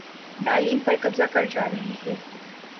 تعلیم پر قبضہ کر جا رہی ہے